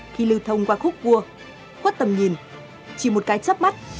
khi lưu thông qua khúc cua khuất tầm nhìn chỉ một cái chấp mắt